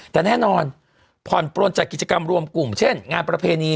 แต่แน่นอนผ่อนปลนจากกิจกรรมรวมกลุ่มเช่นงานประเพณี